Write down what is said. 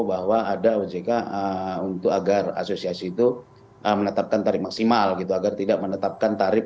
bahwa ada ojk untuk agar asosiasi itu menetapkan tarif maksimal gitu agar tidak menetapkan tarif